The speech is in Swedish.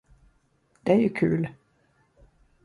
Det är ju kul.